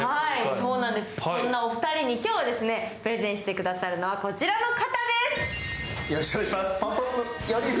そんなお二人に今日プレゼンしてくれるのは、この方です。